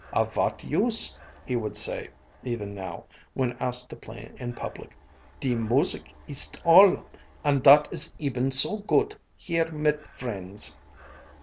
"Of vat use?" he would say, even now, when asked to play in public "de moosic ist all and dat is eben so goodt here mit friends."